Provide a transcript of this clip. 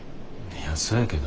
いやそやけど。